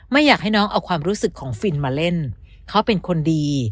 ไม่อยากให้น้องเอาความรู้สึกของฟินมาเล่นเขาเป็นคนดี